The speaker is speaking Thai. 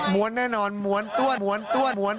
ม้วนแน่นอนม้วนต้วน